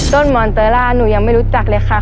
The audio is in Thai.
หมอนเตอร่าหนูยังไม่รู้จักเลยค่ะ